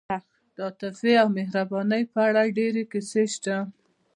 د عاطفې او مهربانۍ په اړه ډېرې کیسې شته.